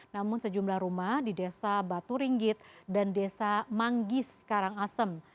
namun sejumlah rumah di desa batu ringgit dan desa manggis karangasem